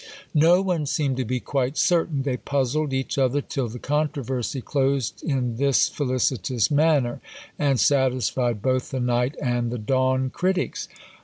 No one seemed to be quite certain; they puzzled each other till the controversy closed in this felicitous manner, and satisfied both the night and the dawn critics.